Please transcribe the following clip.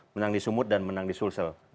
menang di sumut dan menang di sulsel